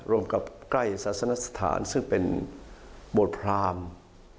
ร่วมกับใกล้ศาสนสถานซึ่งเป็นโบสถพราม